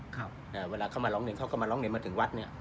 เวลาเขามาร้องเรียนเขาก็มาร้องเรียนมาถึงวัดเนี่ย